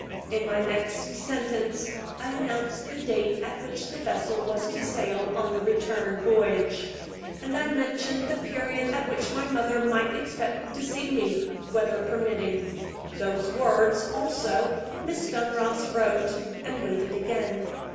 In my next sentence, I announced the date at which the vessel was to sail on the return voyage; and I mentioned the period at which my mother might expect to see me, weather permitting. Those words, also, Miss Dunross wrote and waited again.